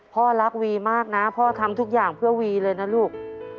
พ่อรักวีมากนะพ่อทำทุกอย่างเพื่อวีเลยนะลูก